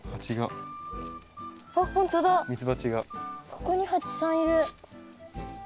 ここにハチさんいる。